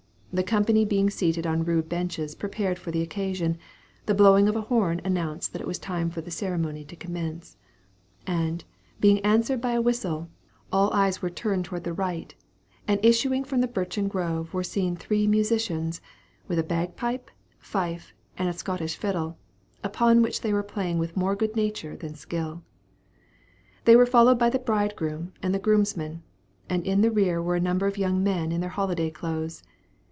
The company being seated on rude benches prepared for the occasion, the blowing of a horn announced that it was time for the ceremony to commence; and, being answered by a whistle, all eyes were turned toward the right, and issuing from the birchen grove were seen three musicians, with a bagpipe, fife, and a Scotch fiddle, upon which they were playing with more good nature than skill. They were followed by the bridegroom and grooms man, and in the rear were a number of young men in their holiday clothes.